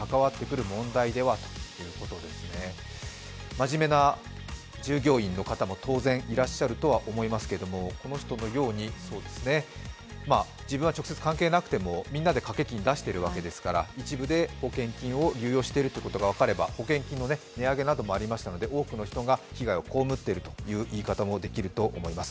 真面目な従業員の方も当然いらっしゃるとは思いますけどこの人のように、自分は直接関係なくてもみんなで掛け金を出しているわけですから一部で保険金を流用していることが分かれば保険金の値上げなどもありましたんで多くの人が被害をこうむっているという言い方もできます。